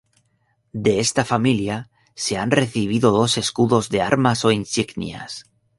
De esta familia se han recibido dos escudos de armas o insignias.